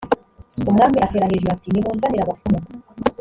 umwami atera hejuru ati nimunzanire abapfumu